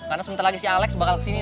karena sebentar lg si alex bakal ke sini